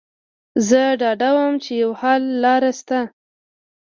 زه ډاډه وم چې يوه حللاره شته.